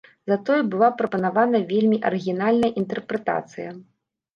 Затое была прапанавана вельмі арыгінальная інтэрпрэтацыя.